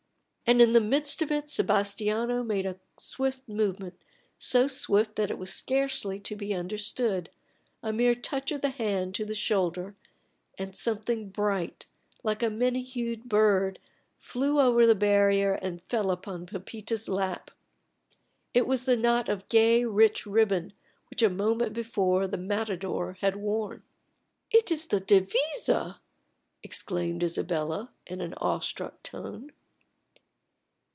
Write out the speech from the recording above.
And in the midst of it Sebastiano made a swift movement, so swift that it was scarcely to be understood a mere touch of the hand to the shoulder and something bright, like a many hued bird, flew over the barrier and fell upon Pepita's lap. It was the knot of gay, rich ribbon which a moment before the matador had worn. "It is the devisa!" exclaimed Isabella, in an awestruck tone.